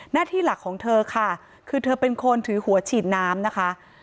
หน้าที่หลักของเธอค่ะคือเธอเป็นคนถือหัวฉีดน้ำนะคะ